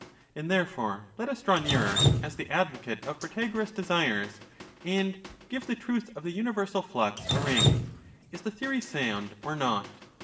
And therefore let us draw nearer, as the advocate of Protagoras desires, and give the truth of the universal flux a ring : is the theory sound or not